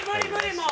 もう。